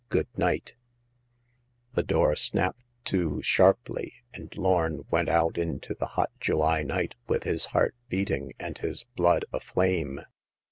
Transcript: Good night/* The door snapped to sharply, and Lorn went out into the hot July night with his heart beating and his blood aflame.